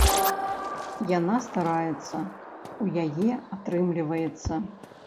Яна стараецца, у яе атрымліваецца.